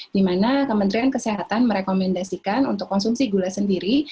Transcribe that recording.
dimana kementerian kesehatan merekomendasikan untuk konsumsi gula sendiri